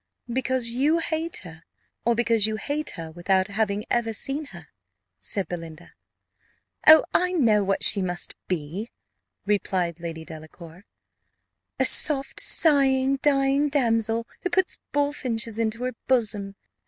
"Because you hate her or because you hate her without having ever seen her?" said Belinda. "Oh, I know what she must be," replied Lady Delacour: "a soft, sighing, dying damsel, who puts bullfinches into her bosom.